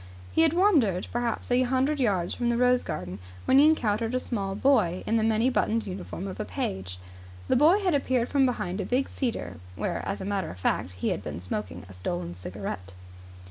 He had wandered perhaps a hundred yards from the rose garden when he encountered a small boy in the many buttoned uniform of a page. The boy had appeared from behind a big cedar, where, as a matter of fact, he had been smoking a stolen cigarette.